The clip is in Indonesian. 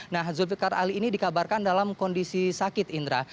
nah zulfiqar ali ini dikabarkan dalam kondisi sakit indra